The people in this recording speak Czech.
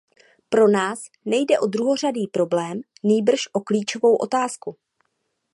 Pro nás nejde o druhořadý problém, nýbrž o klíčovou otázku.